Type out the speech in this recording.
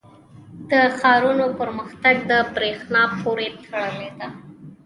• د ښارونو پرمختګ د برېښنا پورې تړلی دی.